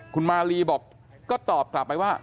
คุณมาลีบอกก็ตอบกลับไปว่า